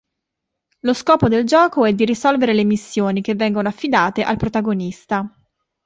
Lo scopo del gioco è di risolvere le missioni che vengono affidate al protagonista.